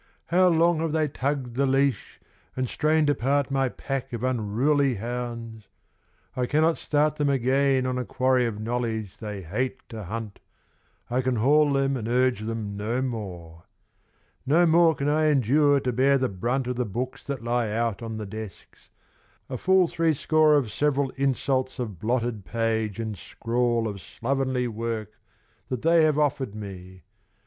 How long have they tugged the leash, and strained apart My pack of unruly hounds: I cannot start Them again on a quarry of knowledge they hate to hunt, I can haul them and urge them no more. No more can I endure to bear the brunt Of the books that lie out on the desks: a full three score Of several insults of blotted page and scrawl Of slovenly work that they have offered me.